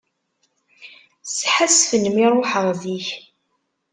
Sḥassfen mi ruḥeɣ zik.